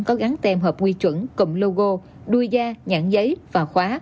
có gắn tem hợp quy chuẩn cùng logo đuôi da nhãn giấy và khóa